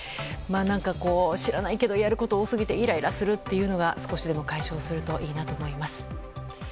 知らないけどやること多すぎてイライラするというのが少しでも解消するといいなと思います。